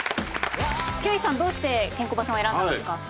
休井さんどうしてケンコバさんを選んだんですか？